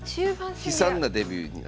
悲惨なデビューになった。